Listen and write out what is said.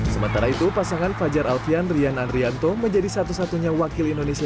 sementara itu pasangan fajar alfian rian andrianto menjadi satu satunya wakil indonesia